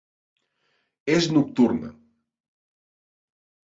És nocturna.